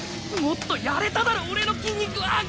もっとやれただろ俺の筋肉は！